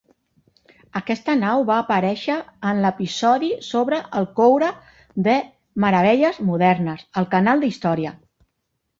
Aquesta nau va aparèixer en l'episodi sobre el coure de "Meravelles modernes" al canal d'història.